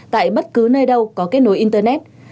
tại bất cứ nơi đâu có kết nối internet